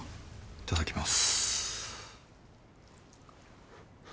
いただきます。